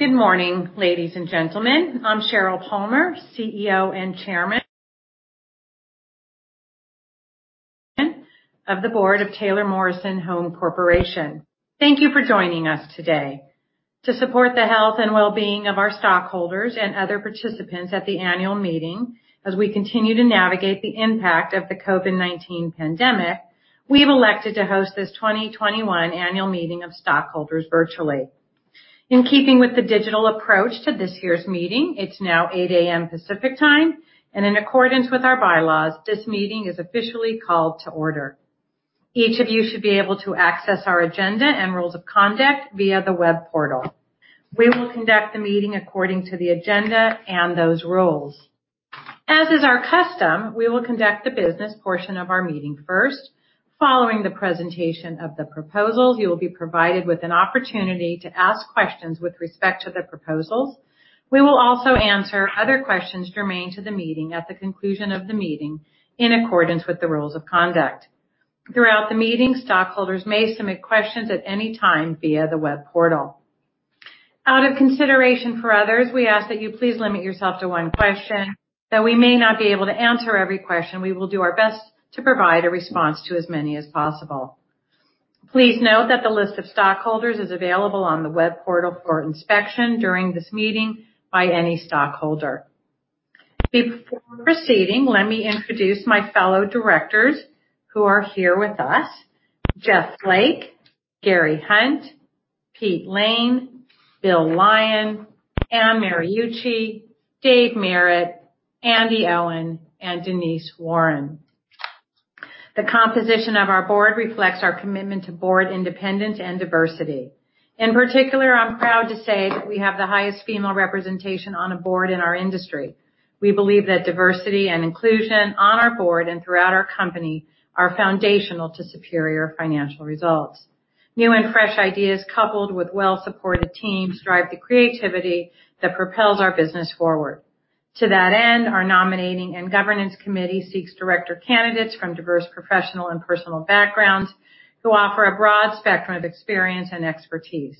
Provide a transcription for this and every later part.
Good morning, ladies and gentlemen. I'm Sheryl Palmer, CEO and Chairman of the board of Taylor Morrison Home Corporation. Thank you for joining us today. To support the health and well-being of our stockholders and other participants at the annual meeting, as we continue to navigate the impact of the COVID-19 pandemic, we have elected to host this 2021 annual meeting of stockholders virtually. In keeping with the digital approach to this year's meeting, it's now 8:00 A.M. Pacific Time, and in accordance with our bylaws, this meeting is officially called to order. Each of you should be able to access our agenda and rules of conduct via the web portal. We will conduct the meeting according to the agenda and those rules. As is our custom, we will conduct the business portion of our meeting first. Following the presentation of the proposals, you will be provided with an opportunity to ask questions with respect to the proposals. We will also answer other questions germane to the meeting at the conclusion of the meeting in accordance with the rules of conduct. Throughout the meeting, stockholders may submit questions at any time via the web portal. Out of consideration for others, we ask that you please limit yourself to one question. Though we may not be able to answer every question, we will do our best to provide a response to as many as possible. Please note that the list of stockholders is available on the web portal for inspection during this meeting by any stockholder. Before proceeding, let me introduce my fellow directors who are here with us: Jeff Flake, Gary Hunt, Pete Lane, Bill Lyon, Anne Mariucci, Dave Merritt, Andy Owen, and Denise Warren. The composition of our board reflects our commitment to board independence and diversity. In particular, I'm proud to say that we have the highest female representation on a board in our industry. We believe that diversity and inclusion on our board and throughout our company are foundational to superior financial results. New and fresh ideas, coupled with well-supported teams, drive the creativity that propels our business forward. To that end, our Nominating and Governance Committee seeks director candidates from diverse professional and personal backgrounds who offer a broad spectrum of experience and expertise.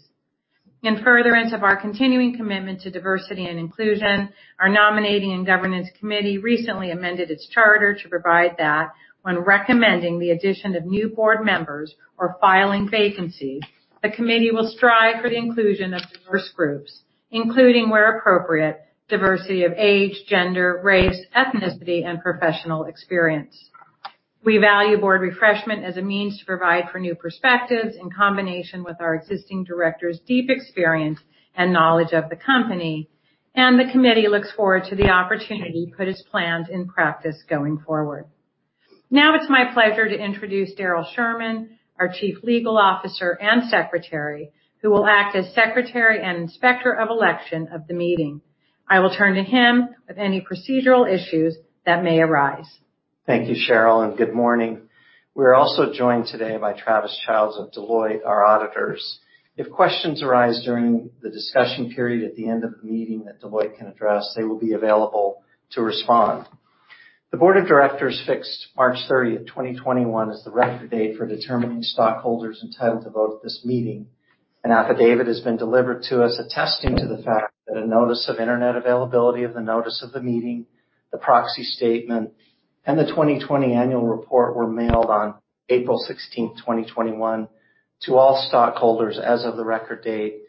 In furtherance of our continuing commitment to diversity and inclusion, our Nominating and Governance Committee recently amended its charter to provide that when recommending the addition of new board members or filling vacancies, the committee will strive for the inclusion of diverse groups, including, where appropriate, diversity of age, gender, race, ethnicity, and professional experience. We value board refreshment as a means to provide for new perspectives in combination with our existing directors' deep experience and knowledge of the company, and the committee looks forward to the opportunity put as planned in practice going forward. Now it's my pleasure to introduce Darrell Sherman, our Chief Legal Officer and Secretary, who will act as Secretary and Inspector of Election of the meeting. I will turn to him with any procedural issues that may arise. Thank you, Sheryl, and good morning. We are also joined today by Travis Childs of Deloitte, our auditors. If questions arise during the discussion period at the end of the meeting that Deloitte can address, they will be available to respond. The board of directors fixed March 30, 2021, as the record date for determining stockholders entitled to vote at this meeting. An affidavit has been delivered to us attesting to the fact that a notice of internet availability of the notice of the meeting, the proxy statement, and the 2020 annual report were mailed on April 16, 2021, to all stockholders as of the record date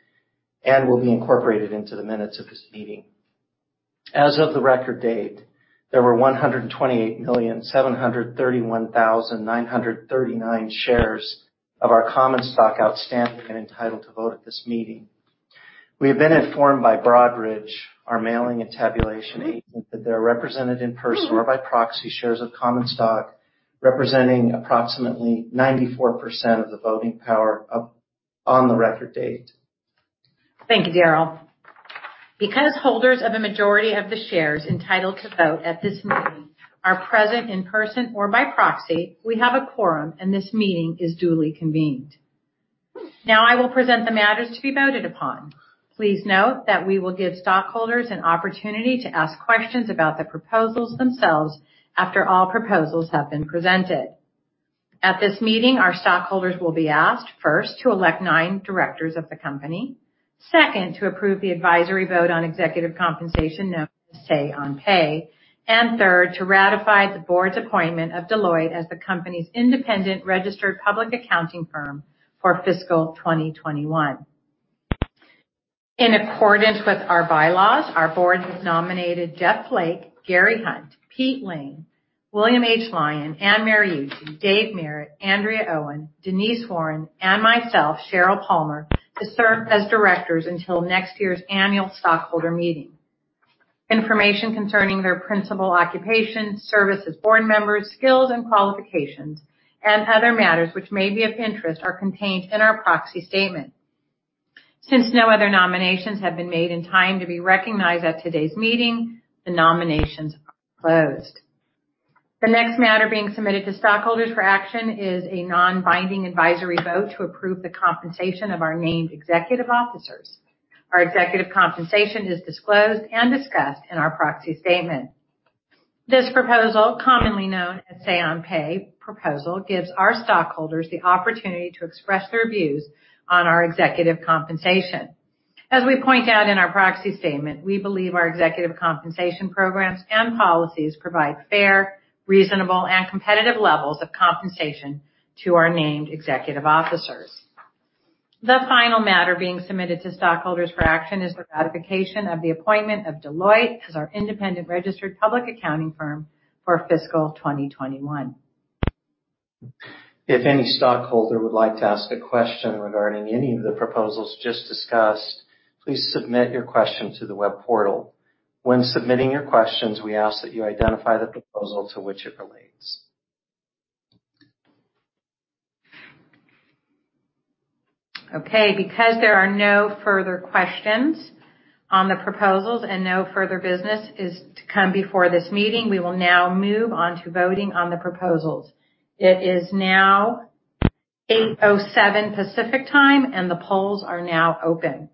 and will be incorporated into the minutes of this meeting. As of the record date, there were 128,731,939 shares of our common stock outstanding and entitled to vote at this meeting. We have been informed by Broadridge, our mailing and tabulation agent, that there are represented in person or by proxy shares of common stock representing approximately 94% of the voting power on the record date. Thank you, Darrell. Because holders of a majority of the shares entitled to vote at this meeting are present in person or by proxy, we have a quorum, and this meeting is duly convened. Now I will present the matters to be voted upon. Please note that we will give stockholders an opportunity to ask questions about the proposals themselves after all proposals have been presented. At this meeting, our stockholders will be asked, first, to elect nine directors of the company, second, to approve the advisory vote on executive compensation known as say-on-pay, and third, to ratify the board's appointment of Deloitte as the company's independent registered public accounting firm for fiscal 2021. In accordance with our bylaws, our board has nominated Jeff Flake, Gary Hunt, Pete Lane, William H. Lyon, Anne Mariucci, Dave Merritt, Andrea Owen, Denise Warren, and myself, Sheryl Palmer, to serve as directors until next year's annual stockholder meeting. Information concerning their principal occupation, service as board members, skills and qualifications, and other matters which may be of interest are contained in our proxy statement. Since no other nominations have been made in time to be recognized at today's meeting, the nominations are closed. The next matter being submitted to stockholders for action is a non-binding advisory vote to approve the compensation of our named executive officers. Our executive compensation is disclosed and discussed in our proxy statement. This proposal, commonly known as say-on-pay proposal, gives our stockholders the opportunity to express their views on our executive compensation. As we point out in our proxy statement, we believe our executive compensation programs and policies provide fair, reasonable, and competitive levels of compensation to our named executive officers. The final matter being submitted to stockholders for action is the ratification of the appointment of Deloitte as our independent registered public accounting firm for fiscal 2021. If any stockholder would like to ask a question regarding any of the proposals just discussed, please submit your question to the web portal. When submitting your questions, we ask that you identify the proposal to which it relates. Okay. Because there are no further questions on the proposals and no further business is to come before this meeting, we will now move on to voting on the proposals. It is now 8:07 A.M. Pacific Time, and the polls are now open.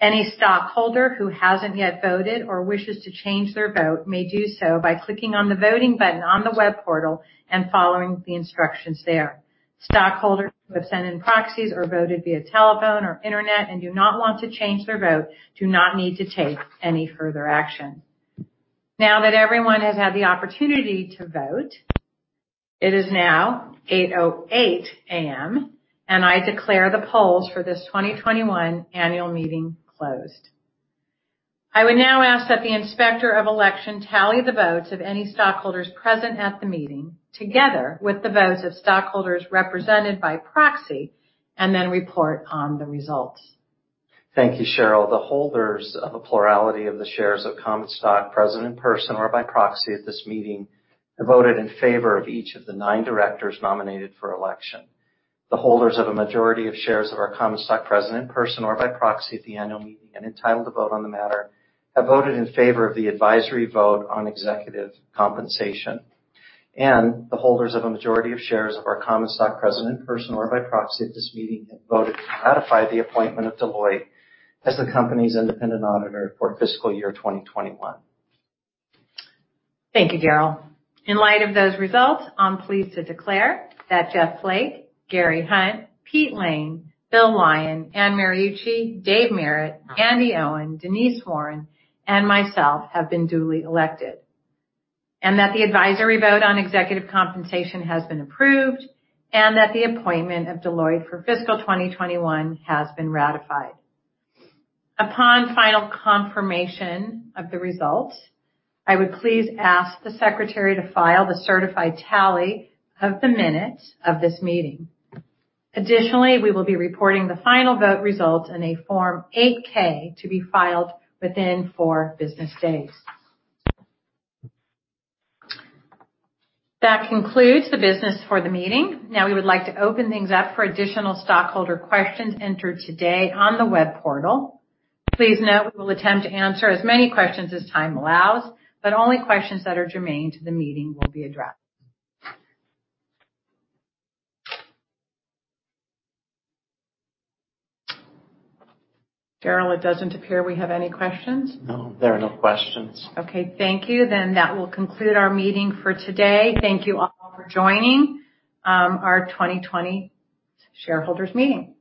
Any stockholder who hasn't yet voted or wishes to change their vote may do so by clicking on the voting button on the web portal and following the instructions there. Stockholders who have sent in proxies or voted via telephone or internet and do not want to change their vote do not need to take any further action. Now that everyone has had the opportunity to vote, it is now 8:08 A.M., and I declare the polls for this 2021 annual meeting closed. I would now ask that the inspector of election tally the votes of any stockholders present at the meeting together with the votes of stockholders represented by proxy and then report on the results. Thank you, Sheryl. The holders of a plurality of the shares of common stock present in person or by proxy at this meeting have voted in favor of each of the nine directors nominated for election. The holders of a majority of shares of our common stock present in person or by proxy at the annual meeting and entitled to vote on the matter have voted in favor of the advisory vote on executive compensation. And the holders of a majority of shares of our common stock present in person or by proxy at this meeting have voted to ratify the appointment of Deloitte as the company's independent auditor for fiscal year 2021. Thank you, Darrell. In light of those results, I'm pleased to declare that Jeff Flake, Gary Hunt, Pete Lane, Bill Lyon, Anne Mariucci, Dave Merritt, Andy Owen, Denise Warren, and myself have been duly elected, and that the advisory vote on executive compensation has been approved, and that the appointment of Deloitte for fiscal 2021 has been ratified. Upon final confirmation of the results, I would please ask the secretary to file the certified tally of the minutes of this meeting. Additionally, we will be reporting the final vote results in a Form 8-K to be filed within four business days. That concludes the business for the meeting. Now we would like to open things up for additional stockholder questions entered today on the web portal. Please note we will attempt to answer as many questions as time allows, but only questions that are germane to the meeting will be addressed. Darrell, it doesn't appear we have any questions. No, there are no questions. Okay. Thank you. Then that will conclude our meeting for today. Thank you all for joining our 2020 shareholders meeting.